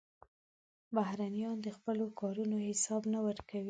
بهرنیان د خپلو کارونو حساب نه ورکوي.